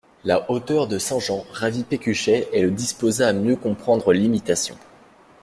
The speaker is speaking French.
La hauteur de saint Jean ravit Pécuchet, et le disposa à mieux comprendre l'Imitation.